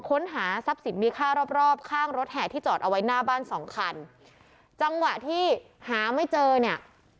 ค้นหาทรัพย์สินมีค่ารอบรอบข้างรถแห่ที่จอดเอาไว้หน้าบ้านสองคันจังหวะที่หาไม่เจอเนี่ย